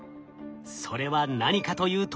それは何かというと。